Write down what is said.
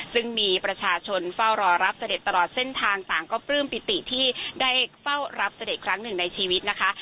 ซึ่งมีประชาชนเฝ้ารอรับเสด็จตลอดเส้นทางต่างก็ปลื้มปิติที่ได้เฝ้ารับเสด็จครั้งหนึ่งในชีวิตนะคะ